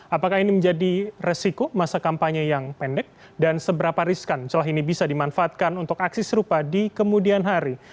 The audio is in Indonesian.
apakah ini menjadi resiko masa kampanye yang pendek dan seberapa riskan celah ini bisa dimanfaatkan untuk aksi serupa di kemudian hari